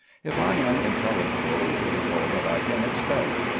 If I am in telligible, it is all that I can expect.